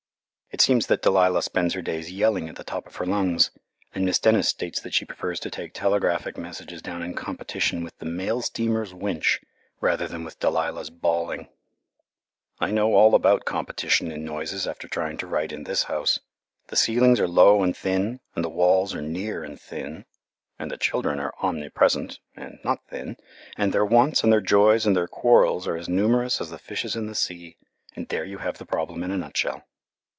It seems that Delilah spends her days yelling at the top of her lungs, and Miss Dennis states that she prefers to take telegraphic messages down in competition with the mail steamer's winch rather than with Delilah's "bawling." [Illustration: DELILAH BAWLING] I know all about competition in noises after trying to write in this house. The ceilings are low and thin, and the walls are near and thin, and the children are omnipresent and not thin, and their wants and their joys and their quarrels are as numerous as the fishes in the sea, and there you have the problem in a nutshell.